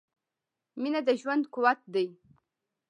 • مینه د ژوند قوت دی.